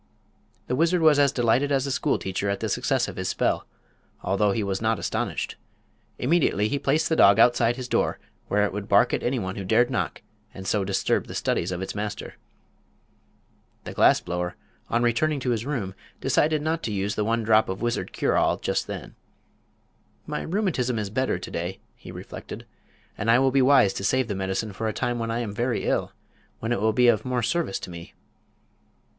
The wizard was as delighted as a school teacher at the success of his spell, although he was not astonished. Immediately he placed the dog outside his door, where it would bark at anyone who dared knock and so disturb the studies of its master. The glass blower, on returning to his room, decided not to use the one drop of wizard cure all just then. "My rheumatism is better to day," he reflected, "and I will be wise to save the medicine for a time when I am very ill, when it will be of more service to me."